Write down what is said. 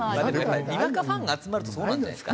にわかファンが集まるとそうなんじゃないですか？